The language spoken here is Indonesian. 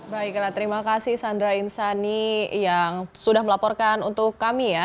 baiklah terima kasih sandra insani yang sudah melaporkan untuk kami ya